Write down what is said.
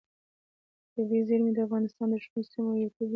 طبیعي زیرمې د افغانستان د شنو سیمو یوه طبیعي او خورا ښکلې ښکلا ده.